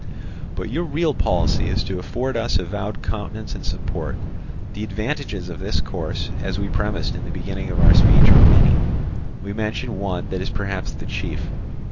"But your real policy is to afford us avowed countenance and support. The advantages of this course, as we premised in the beginning of our speech, are many. We mention one that is perhaps the chief.